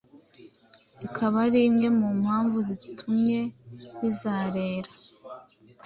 ikaba ari imwe mu mpamvu zatumye bazerera